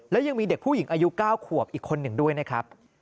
และยังมีเด็กผู้หญิงอายุ๙ขวบอีกคนหนึ่งด้วยนะครับ